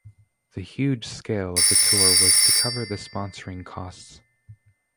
The huge scale of the tour was to cover the sponsoring costs.